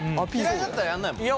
嫌いだったらやんないもんね。